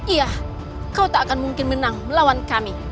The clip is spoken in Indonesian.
iya kau tak akan mungkin menang melawan kami